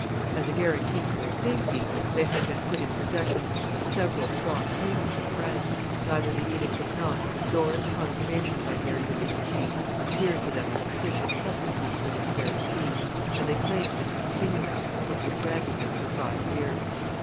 As a guarantee for their safety, they had been put in possession of several strong places in France; neither the edict of Nantes nor its confirmation by Mary de' Medici appeared to them a sufficient substitute for this guarantee; and they claimed its continuance, which was granted them for five years.